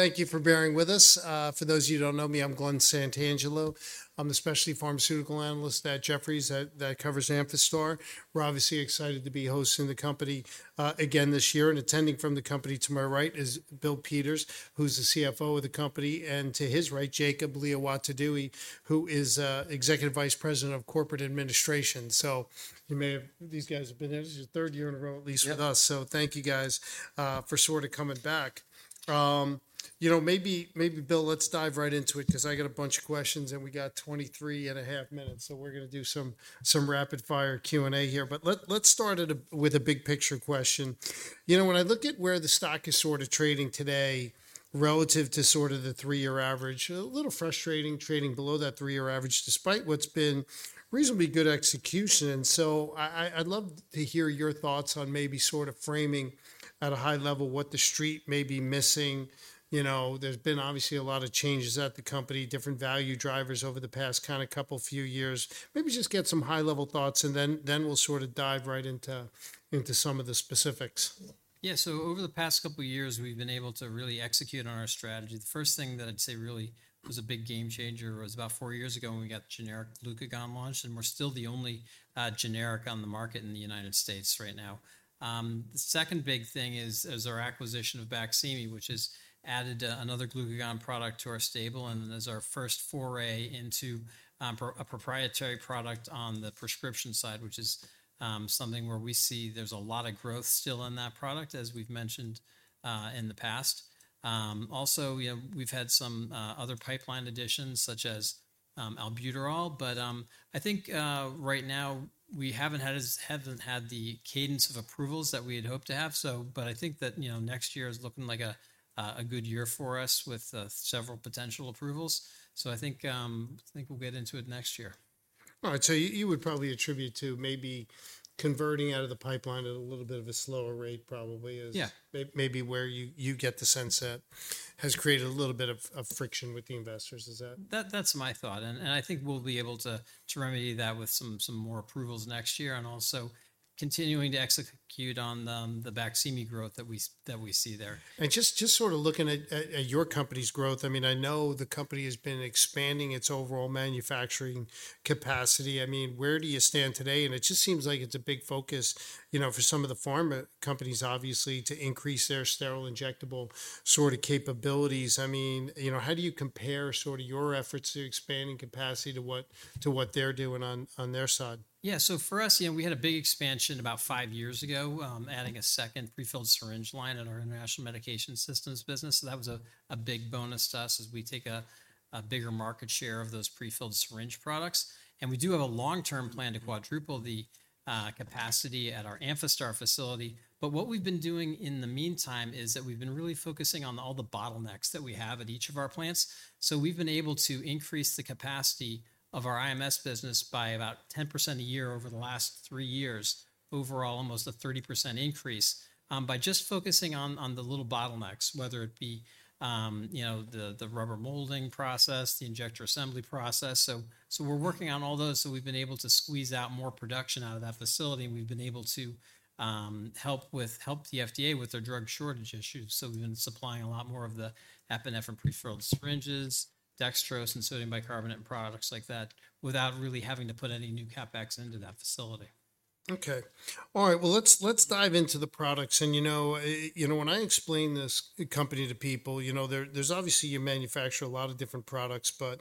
Thank you for bearing with us. For those of you who don't know me, I'm Glenn Santangelo. I'm the specialty pharmaceutical analyst at Jefferies that covers Amphastar. We're obviously excited to be hosting the company again this year, and attending from the company to my right is Bill Peters, who's the CFO of the company. And to his right, Jacob Liawatidew, who is Executive Vice President of Corporate Administration. So you may have, these guys have been here for the third year in a row, at least with us. So thank you, guys, for sort of coming back. You know, maybe, maybe Bill, let's dive right into it because I got a bunch of questions and we got 23 and a half minutes. So we're going to do some rapid-fire Q&A here. But let's start with a big picture question. You know, when I look at where the stock is sort of trading today relative to sort of the three-year average. A little frustrating trading below that three-year average despite what's been reasonably good execution. And so I'd love to hear your thoughts on maybe sort of framing at a high level what the street may be missing. You know, there's been obviously a lot of changes at the company, different value drivers over the past kind of couple few years. Maybe just get some high-level thoughts and then we'll sort of dive right into some of the specifics. Yeah. So over the past couple of years, we've been able to really execute on our strategy. The first thing that I'd say really was a big game changer was about four years ago when we got the generic glucagon launched. And we're still the only generic on the market in the United States right now. The second big thing is our acquisition of Baqsimi, which has added another glucagon product to our stable. And then as our first foray into a proprietary product on the prescription side, which is something where we see there's a lot of growth still in that product, as we've mentioned in the past. Also, we've had some other pipeline additions, such as albuterol. But I think right now we haven't had the cadence of approvals that we had hoped to have. But I think that next year is looking like a good year for us with several potential approvals. So I think we'll get into it next year. All right. So you would probably attribute to maybe converting out of the pipeline at a little bit of a slower rate, probably, is maybe where you get the sense that has created a little bit of friction with the investors. Is that? That's my thought. And I think we'll be able to remedy that with some more approvals next year and also continuing to execute on the Baqsimi growth that we see there. Just sort of looking at your company's growth, I mean, I know the company has been expanding its overall manufacturing capacity. I mean, where do you stand today? It just seems like it's a big focus, you know, for some of the pharma companies, obviously, to increase their sterile injectable sort of capabilities. I mean, you know, how do you compare sort of your efforts to expanding capacity to what they're doing on their side? Yeah. So for us, you know, we had a big expansion about five years ago, adding a second prefilled syringe line in our International Medication Systems business. That was a big bonus to us as we take a bigger market share of those prefilled syringe products. And we do have a long-term plan to quadruple the capacity at our Amphastar facility. But what we've been doing in the meantime is that we've been really focusing on all the bottlenecks that we have at each of our plants. So we've been able to increase the capacity of our IMS business by about 10% a year over the last three years, overall almost a 30% increase by just focusing on the little bottlenecks, whether it be the rubber molding process, the injector assembly process. So we're working on all those. So we've been able to squeeze out more production out of that facility. We've been able to help the FDA with their drug shortage issues. So we've been supplying a lot more of the epinephrine prefilled syringes, dextrose, and sodium bicarbonate products like that without really having to put any new CapEx into that facility. Okay. All right. Well, let's dive into the products, and you know, when I explain this company to people, you know, there's obviously you manufacture a lot of different products, but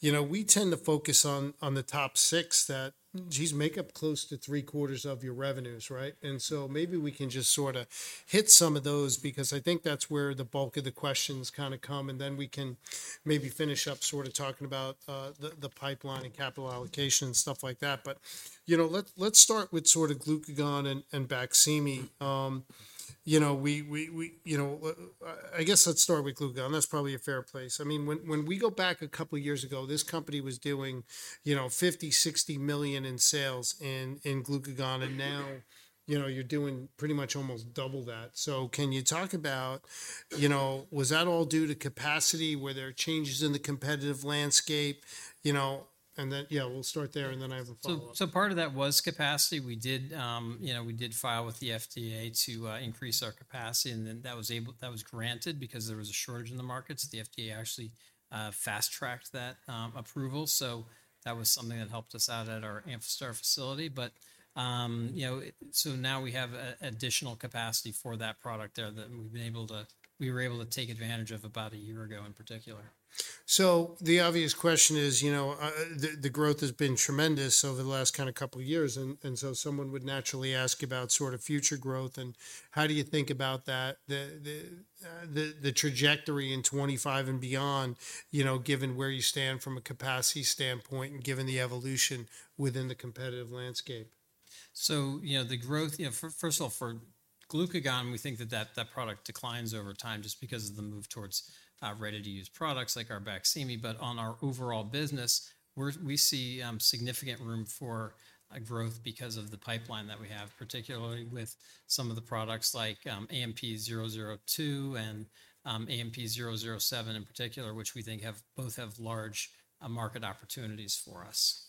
you know, we tend to focus on the top six that, geez, make up close to three quarters of your revenues, right? And so maybe we can just sort of hit some of those because I think that's where the bulk of the questions kind of come, and then we can maybe finish up sort of talking about the pipeline and capital allocation and stuff like that. But you know, let's start with sort of Glucagon and Baqsimi. You know, I guess let's start with Glucagon. That's probably a fair place. I mean, when we go back a couple of years ago, this company was doing, you know, $50 - 60 million in sales in Glucagon. And now, you know, you're doing pretty much almost double that. So can you talk about, you know, was that all due to capacity where there are changes in the competitive landscape? You know, and then, yeah, we'll start there and then I have a follow-up. So part of that was capacity. We did, you know, we did file with the FDA to increase our capacity. And then that was granted because there was a shortage in the markets. The FDA actually fast-tracked that approval. So that was something that helped us out at our Amphastar facility. But you know, so now we have additional capacity for that product there that we were able to take advantage of about a year ago in particular. So the obvious question is, you know, the growth has been tremendous over the last kind of couple of years. And so someone would naturally ask about sort of future growth and how do you think about that, the trajectory in 2025 and beyond, you know, given where you stand from a capacity standpoint and given the evolution within the competitive landscape? So, you know, the growth, you know, first of all, for glucagon, we think that that product declines over time just because of the move towards ready-to-use products like our Baqsimi. But on our overall business, we see significant room for growth because of the pipeline that we have, particularly with some of the products like AMP-002 and AMP-007 in particular, which we think both have large market opportunities for us.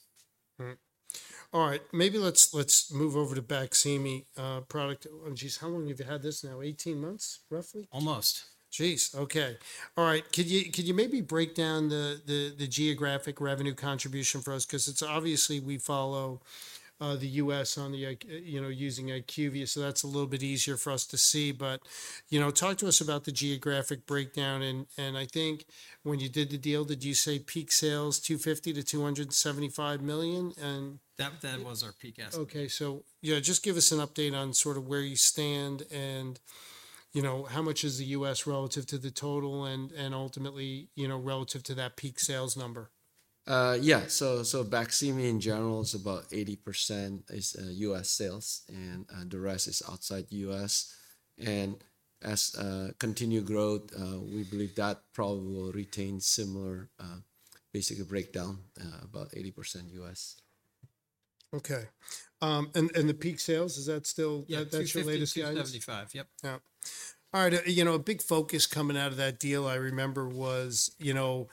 All right. Maybe let's move over to Baqsimi product. Geez, how long have you had this now? 18 months, roughly? Almost. Geez. Okay. All right. Could you maybe break down the geographic revenue contribution for us? Because it's obviously we follow the U.S. on the, you know, using IQVIA. So that's a little bit easier for us to see. But, you know, talk to us about the geographic breakdown. And I think when you did the deal, did you say peak sales $250 - 275 million? That was our peak estimate. Okay. So, you know, just give us an update on sort of where you stand and, you know, how much is the U.S. relative to the total and ultimately, you know, relative to that peak sales number? Yeah, so Baqsimi in general is about 80% U.S. sales and the rest is outside the U.S., and with continued growth, we believe that probably will retain similar basic breakdown, about 80% U.S. Okay, and the peak sales, is that still, that's your latest guys? Yeah, 275. Yep. Yeah. All right. You know, a big focus coming out of that deal, I remember, was, you know,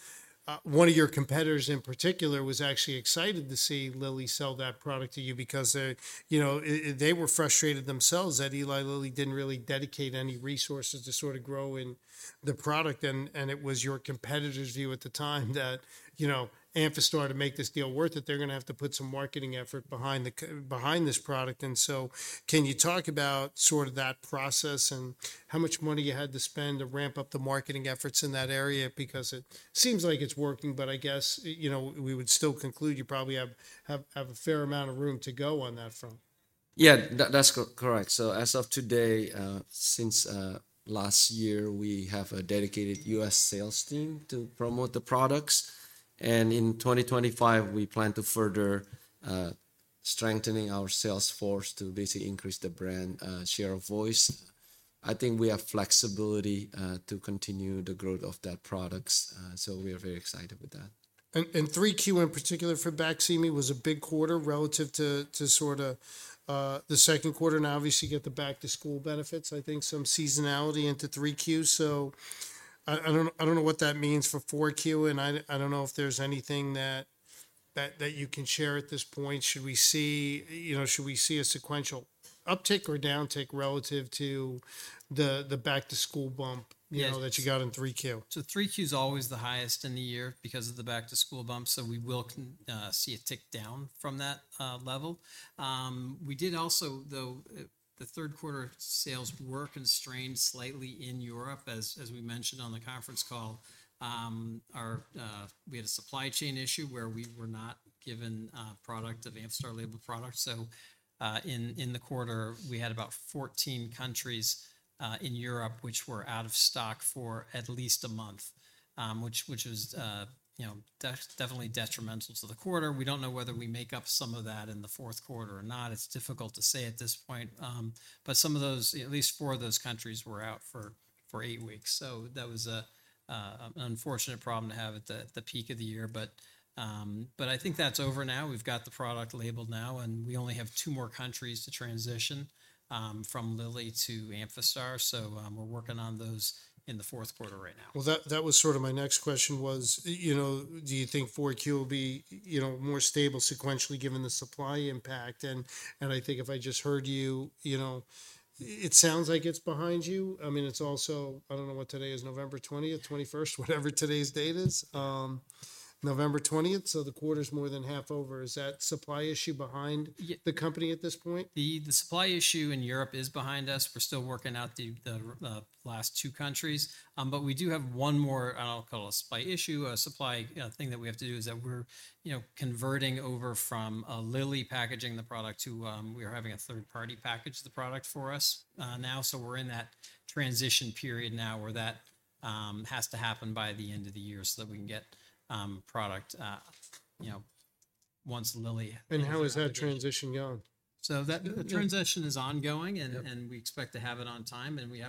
one of your competitors in particular was actually excited to see Lilly sell that product to you because they, you know, they were frustrated themselves that Eli Lilly didn't really dedicate any resources to sort of grow in the product. And it was your competitors' view at the time that, you know, Amphastar to make this deal worth it, they're going to have to put some marketing effort behind this product. And so can you talk about sort of that process and how much money you had to spend to ramp up the marketing efforts in that area? Because it seems like it's working, but I guess, you know, we would still conclude you probably have a fair amount of room to go on that front. Yeah, that's correct. So as of today, since last year, we have a dedicated U.S. sales team to promote the products. And in 2025, we plan to further strengthen our sales force to basically increase the brand share of voice. I think we have flexibility to continue the growth of that product. So we are very excited with that. And 3Q in particular for Baqsimi was a big quarter relative to sort of the second quarter. And obviously, you get the back-to-school benefits, I think some seasonality into 3Q. So I don't know what that means for 4Q. And I don't know if there's anything that you can share at this point. Should we see, you know, should we see a sequential uptick or downtick relative to the back-to-school bump, you know, that you got in 3Q? Third quarter is always the highest in the year because of the back-to-school bump. So we will see a tick down from that level. We did also, though, the 3Q sales were constrained slightly in Europe, as we mentioned on the conference call. We had a supply chain issue where we were not given product of Amphastar labeled products. So in the quarter, we had about 14 countries in Europe which were out of stock for at least a month, which was, you know, definitely detrimental to the quarter. We don't know whether we make up some of that in the Q4 or not. It's difficult to say at this point. But some of those, at least four of those countries were out for eight weeks. So that was an unfortunate problem to have at the peak of the year. But I think that's over now. We've got the product labeled now. And we only have two more countries to transition from Lilly to Amphastar. So we're working on those in the fourth quarter right now. Well, that was sort of my next question was, you know, do you think 4Q will be, you know, more stable sequentially given the supply impact? And I think if I just heard you, you know, it sounds like it's behind you. I mean, it's also, I don't know what today is, November 20th, 21st, whatever today's date is, November 20th. So the quarter's more than half over. Is that supply issue behind the company at this point? The supply issue in Europe is behind us. We're still working out the last two countries. But we do have one more, I'll call a spike issue, a supply thing that we have to do is that we're, you know, converting over from Lilly packaging the product to we are having a third-party package the product for us now. So we're in that transition period now where that has to happen by the end of the year so that we can get product, you know, once Lilly. How has that transition gone? So that transition is ongoing and we expect to have it on time. And we're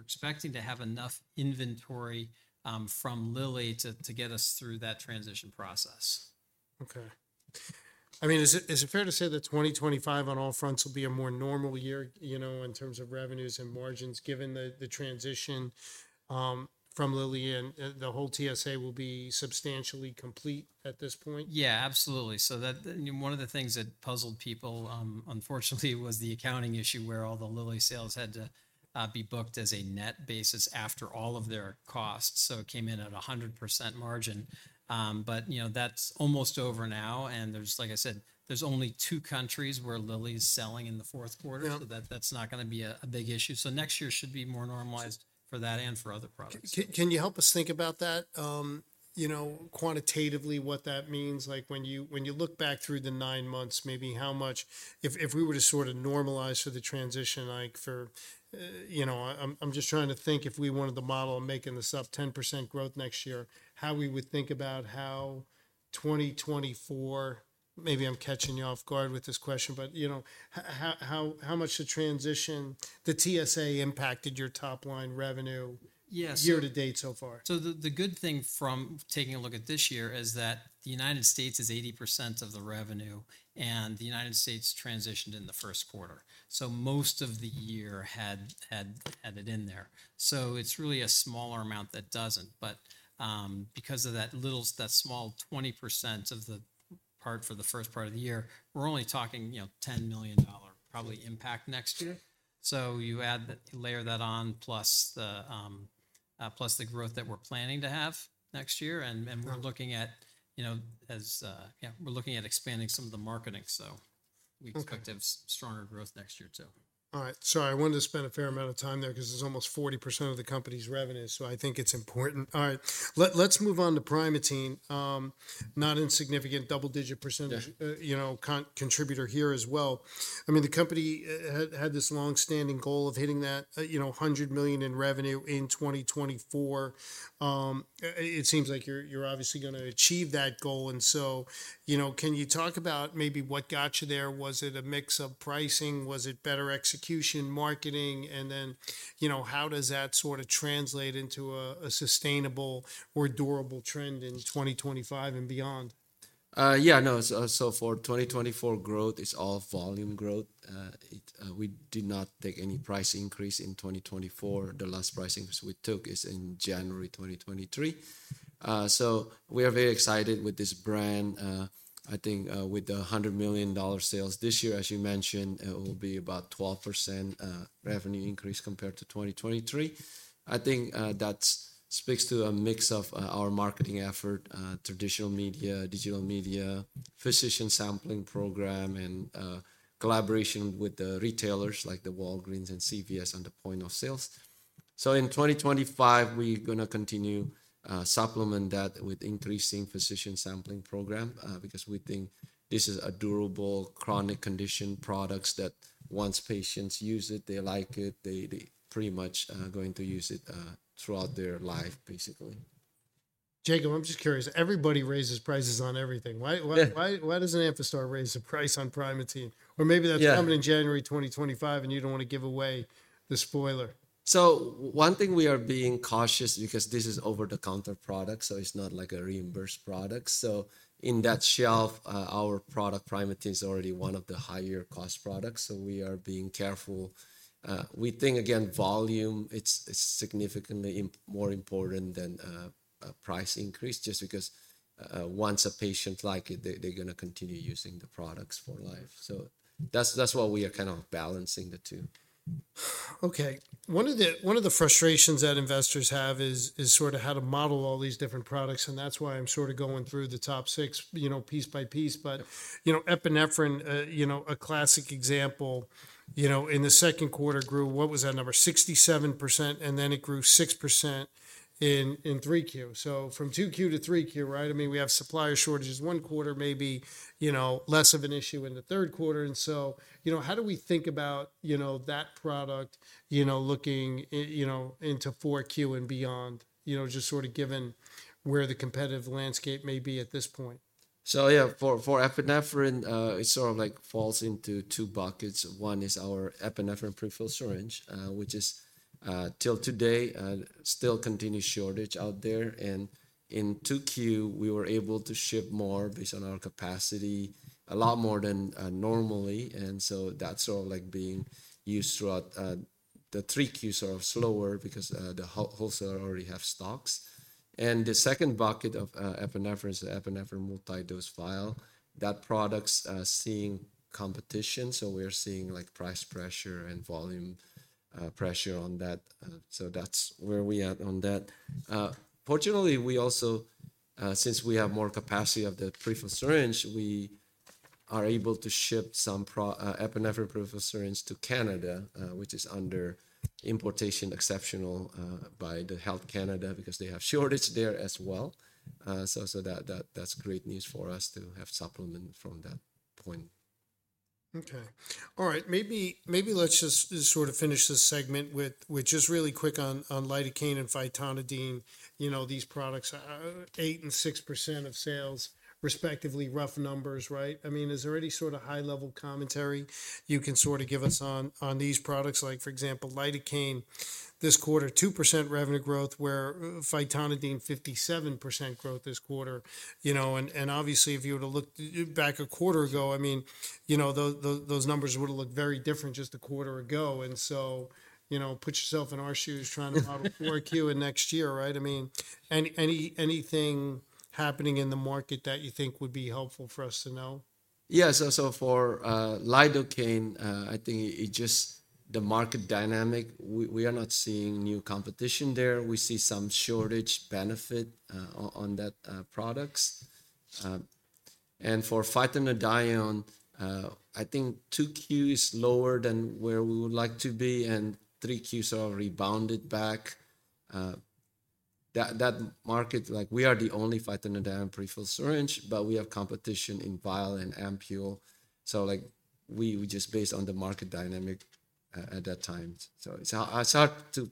expecting to have enough inventory from Lilly to get us through that transition process. Okay. I mean, is it fair to say that 2025 on all fronts will be a more normal year, you know, in terms of revenues and margins given the transition from Lilly and the whole TSA will be substantially complete at this point? Yeah, absolutely. So one of the things that puzzled people, unfortunately, was the accounting issue where all the Lilly sales had to be booked as a net basis after all of their costs. So it came in at a 100% margin. But, you know, that's almost over now. And there's, like I said, there's only two countries where Lilly is selling in the fourth quarter. So that's not going to be a big issue. So next year should be more normalized for that and for other products. Can you help us think about that, you know, quantitatively what that means? Like when you look back through the nine months, maybe how much, if we were to sort of normalize for the transition, like for, you know, I'm just trying to think if we wanted the model making this up 10% growth next year, how we would think about how 2024, maybe I'm catching you off guard with this question, but, you know, how much the transition, the TSA impacted your top line revenue year to date so far? So the good thing from taking a look at this year is that the United States is 80% of the revenue, and the United States transitioned in the first quarter. So most of the year had it in there. So it's really a smaller amount that doesn't. But because of that little, that small 20% of the part for the first part of the year, we're only talking, you know, $10 million probably impact next year. So you add, layer that on plus the growth that we're planning to have next year. And we're looking at, you know, as, yeah, we're looking at expanding some of the marketing. So we expect to have stronger growth next year too. All right. Sorry, I wanted to spend a fair amount of time there because it's almost 40% of the company's revenue. So I think it's important. All right. Let's move on to Primatene, not insignificant double-digit percentage, you know, contributor here as well. I mean, the company had this long-standing goal of hitting that, you know, $100 million in revenue in 2024. It seems like you're obviously going to achieve that goal. And so, you know, can you talk about maybe what got you there? Was it a mix of pricing? Was it better execution, marketing? And then, you know, how does that sort of translate into a sustainable or durable trend in 2025 and beyond? Yeah, no, so for 2024, growth is all volume growth. We did not take any price increase in 2024. The last price increase we took is in January 2023, so we are very excited with this brand. I think with the $100 million sales this year, as you mentioned, it will be about 12% revenue increase compared to 2023. I think that speaks to a mix of our marketing effort, traditional media, digital media, physician sampling program, and collaboration with the retailers like the Walgreens and CVS on the point of sales, so in 2025, we're going to continue to supplement that with increasing physician sampling program because we think this is a durable, chronic condition product that once patients use it, they like it, they're pretty much going to use it throughout their life, basically. Jacob, I'm just curious. Everybody raises prices on everything. Why doesn't Amphastar raise the price on Primatene? Or maybe that's coming in January 2025 and you don't want to give away the spoiler. One thing we are being cautious because this is over-the-counter product. It's not like a reimbursed product. In that shelf, our product, Primatene, is already one of the higher-cost products. We are being careful. We think, again, volume, it's significantly more important than price increase just because once a patient likes it, they're going to continue using the products for life. That's why we are kind of balancing the two. Okay. One of the frustrations that investors have is sort of how to model all these different products. And that's why I'm sort of going through the top six, you know, piece by piece. But, you know, epinephrine, you know, a classic example, you know, in the second quarter grew, what was that number? 67%. And then it grew 6% in 3Q. So from 2Q to 3Q, right? I mean, we have supplier shortages. One quarter may be, you know, less of an issue in the third quarter. And so, you know, how do we think about, you know, that product, you know, looking, you know, into 4Q and beyond, you know, just sort of given where the competitive landscape may be at this point? So yeah, for epinephrine, it sort of like falls into two buckets. One is our epinephrine prefill syringe, which is till today still continues shortage out there. And in 2Q, we were able to ship more based on our capacity, a lot more than normally. And so that's sort of like being used throughout the 3Q, sort of slower because the wholesaler already has stocks. And the second bucket of epinephrine is the epinephrine multi-dose vial. That product's seeing competition. So we're seeing like price pressure and volume pressure on that. So that's where we are on that. Fortunately, we also, since we have more capacity of the prefill syringe, we are able to ship some epinephrine prefill syringe to Canada, which is under importation exception by the Health Canada because they have shortage there as well. So that's great news for us to have supplement from that point. Okay. All right. Maybe let's just sort of finish this segment with just really quick on lidocaine and phytonadione, you know, these products, 8% and 6% of sales, respectively, rough numbers, right? I mean, is there any sort of high-level commentary you can sort of give us on these products? Like for example, lidocaine this quarter, 2% revenue growth, where phytonadione, 57% growth this quarter, you know. And obviously, if you were to look back a quarter ago, I mean, you know, those numbers would have looked very different just a quarter ago. And so, you know, put yourself in our shoes trying to model 4Q and next year, right? I mean, anything happening in the market that you think would be helpful for us to know? Yeah. So for Lidocaine, I think it just the market dynamic, we are not seeing new competition there. We see some shortage benefit on that products. And for phytonadione, I think 2Q is lower than where we would like to be. And 3Q sort of rebounded back. That market, like we are the only phytonadione prefilled syringe, but we have competition in vial and ampoule. So like we just based on the market dynamic at that time. So it's hard to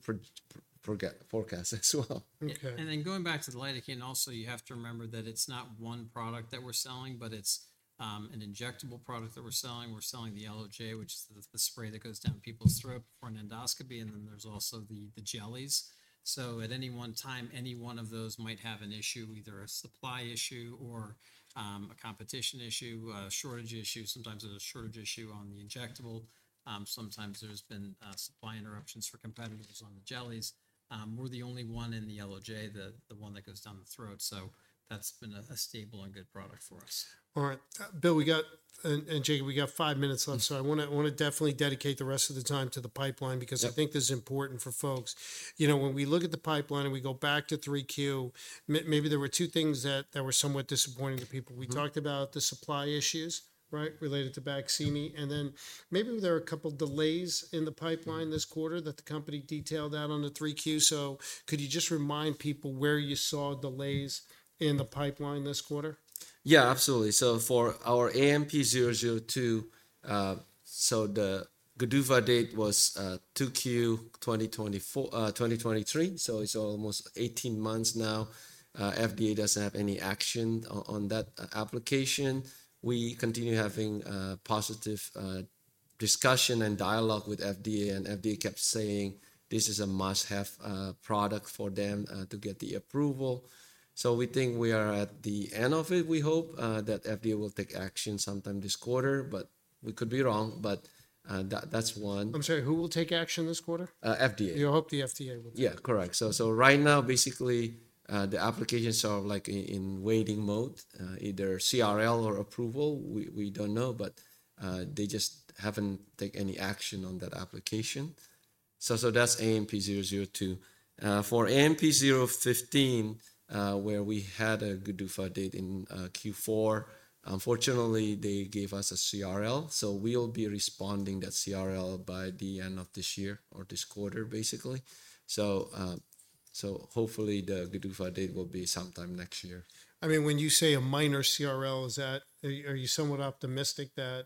forecast as well. Okay. And then, going back to the lidocaine, also you have to remember that it's not one product that we're selling, but it's an injectable product that we're selling. We're selling the LOJ, which is the spray that goes down people's throat for an endoscopy. And then there's also the jellies. So at any one time, any one of those might have an issue, either a supply issue or a competition issue, a shortage issue. Sometimes there's a shortage issue on the injectable. Sometimes there's been supply interruptions for competitors on the jellies. We're the only one in the LOJ, the one that goes down the throat. So that's been a stable and good product for us. All right. Bill, we got, and Jacob, we got five minutes left. So I want to definitely dedicate the rest of the time to the pipeline because I think this is important for folks. You know, when we look at the pipeline and we go back to 3Q, maybe there were two things that were somewhat disappointing to people. We talked about the supply issues, right, related to Baqsimi. And then maybe there are a couple of delays in the pipeline this quarter that the company detailed out on the 3Q. So could you just remind people where you saw delays in the pipeline this quarter? Yeah, absolutely. So for our AMP-002, so the GDUFA date was 2Q 2023. So it's almost 18 months now. FDA doesn't have any action on that application. We continue having positive discussion and dialogue with FDA. And FDA kept saying this is a must-have product for them to get the approval. So we think we are at the end of it. We hope that FDA will take action sometime this quarter, but we could be wrong. But that's one. I'm sorry, who will take action this quarter? FDA. You hope the FDA will take action. Yeah, correct. So right now, basically, the applications are like in waiting mode, either CRL or approval. We don't know, but they just haven't taken any action on that application. So that's AMP-002. For AMP-015, where we had a GDUFA date in Q4, unfortunately, they gave us a CRL. So we'll be responding to that CRL by the end of this year or this quarter, basically. So hopefully the GDUFA date will be sometime next year. I mean, when you say a minor CRL, are you somewhat optimistic that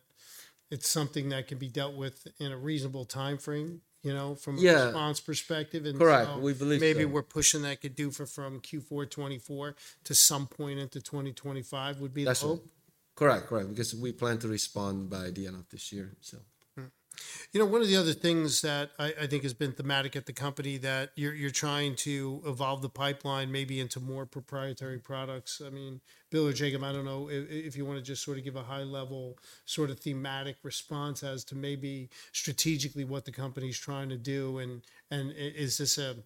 it's something that can be dealt with in a reasonable timeframe, you know, from a response perspective? Correct. We believe so. Maybe we're pushing that GDUFA from Q4 2024 to some point into 2025 would be the hope? That's correct. Correct. Because we plan to respond by the end of this year. You know, one of the other things that I think has been thematic at the company that you're trying to evolve the pipeline maybe into more proprietary products. I mean, Bill or Jacob, I don't know if you want to just sort of give a high-level sort of thematic response as to maybe strategically what the company's trying to do, and is this a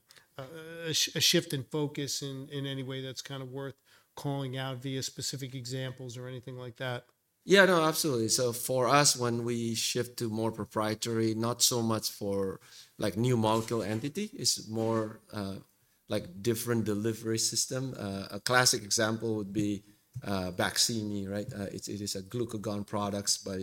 shift in focus in any way that's kind of worth calling out via specific examples or anything like that? Yeah, no, absolutely. So for us, when we shift to more proprietary, not so much for like new molecular entity, it's more like different delivery system. A classic example would be Baqsimi, right? It is a glucagon product, but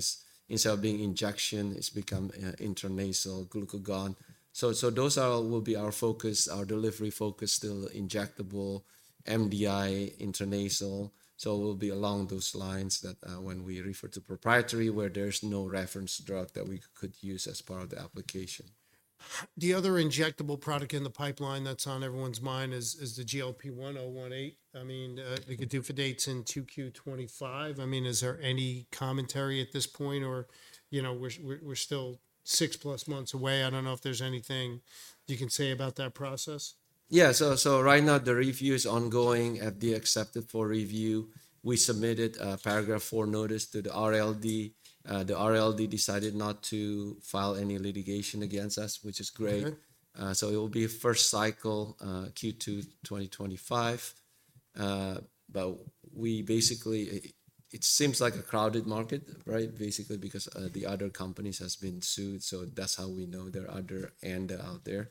instead of being injection, it's become intranasal glucagon. So those will be our focus, our delivery focus still injectable, MDI intranasal. So it will be along those lines that when we refer to proprietary where there's no reference drug that we could use as part of the application. The other injectable product in the pipeline that's on everyone's mind is the AMP-018. I mean, the GDUFA dates in 2Q 2025. I mean, is there any commentary at this point or, you know, we're still six plus months away? I don't know if there's anything you can say about that process. Yeah. So right now the review is ongoing. FDA accepted for review. We submitted a Paragraph IV notice to the RLD. The RLD decided not to file any litigation against us, which is great. So it will be first cycle Q2 2025. But we basically, it seems like a crowded market, right? Basically because the other companies have been sued. So that's how we know there are other ANDAs out there.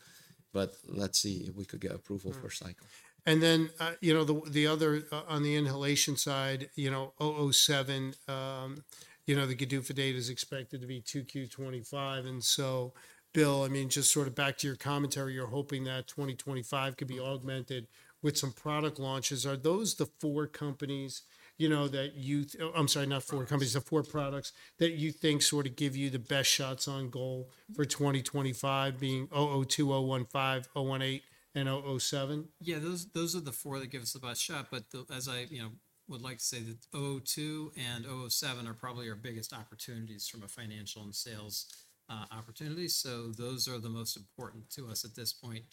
But let's see if we could get approval for cycle. And then, you know, the other on the inhalation side, you know, 007, you know, the GDUFA date is expected to be 2Q 2025. And so, Bill, I mean, just sort of back to your commentary, you're hoping that 2025 could be augmented with some product launches. Are those the four companies, you know, that you, I'm sorry, not four companies, the four products that you think sort of give you the best shots on goal for 2025 being 002, 015, 018, and 007? Yeah, those are the four that give us the best shot. But as I, you know, would like to say that 002 and 007 are probably our biggest opportunities from a financial and sales opportunity. So those are the most important to us at this point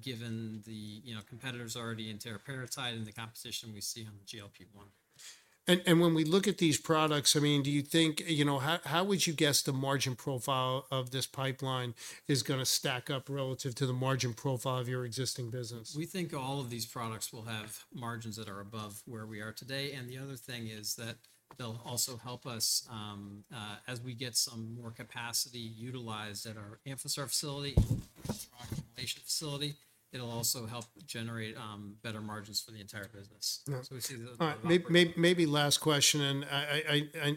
given the, you know, competitors already in teriparatide and the competition we see on the GLP-1. When we look at these products, I mean, do you think, you know, how would you guess the margin profile of this pipeline is going to stack up relative to the margin profile of your existing business? We think all of these products will have margins that are above where we are today. And the other thing is that they'll also help us as we get some more capacity utilized at our Amphastar facility, inhalation facility. It'll also help generate better margins for the entire business. So we see those are the. Maybe last question. And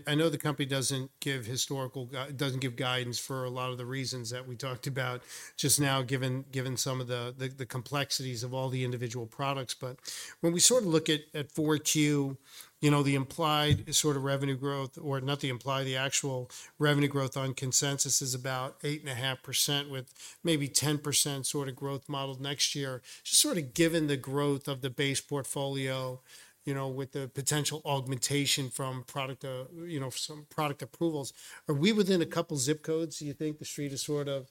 I know the company doesn't give historical, doesn't give guidance for a lot of the reasons that we talked about just now given some of the complexities of all the individual products. But when we sort of look at 4Q, you know, the implied sort of revenue growth, or not the implied, the actual revenue growth on consensus is about 8.5% with maybe 10% sort of growth modeled next year. Just sort of given the growth of the base portfolio, you know, with the potential augmentation from product, you know, some product approvals. Are we within a couple of zip codes? Do you think the street is sort of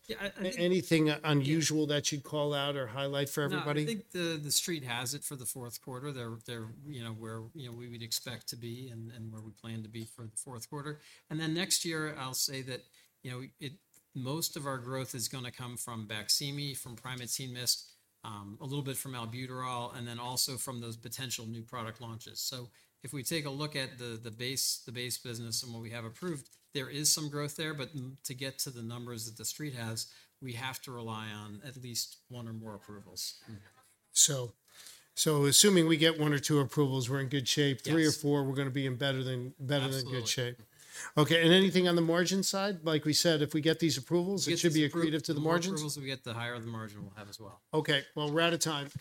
anything unusual that you'd call out or highlight for everybody? I think the street has it for the fourth quarter. They're, you know, where, you know, we would expect to be and where we plan to be for the fourth quarter. And then next year, I'll say that, you know, most of our growth is going to come from vaccine, from Primatene Mist, a little bit from Albuterol, and then also from those potential new product launches. So if we take a look at the base business and what we have approved, there is some growth there. But to get to the numbers that the street has, we have to rely on at least one or more approvals. So assuming we get one or two approvals, we're in good shape. Three or four, we're going to be in better than good shape. Okay. And anything on the margin side? Like we said, if we get these approvals, it should be accretive to the margins? The more approvals we get, the higher the margin we'll have as well. Okay. Well, we're out of time.